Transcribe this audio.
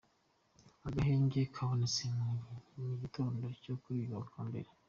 Agahenge kabonetse mu gitondo cyo kuri uyu wa mbere.